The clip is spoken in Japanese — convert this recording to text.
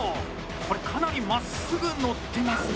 これ、かなりまっすぐ乗ってますか？